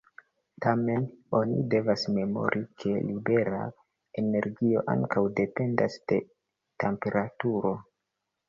Tamen, oni devas memori ke libera energio ankaŭ dependas de temperaturo.